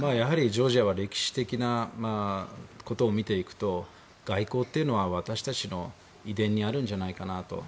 ジョージアは歴史的なことを見ていくと外交っていうのは私たちの遺伝にあるんじゃないかなと。